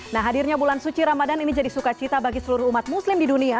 nah hadirnya bulan suci ramadan ini jadi sukacita bagi seluruh umat muslim di dunia